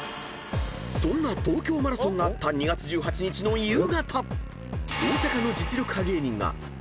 ［そんな東京マラソンがあった２月１８日の夕方］